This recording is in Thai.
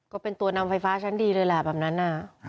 ก็เป็นตัวนำไฟฟ้าชั้นดีเลยแหละแบบนั้น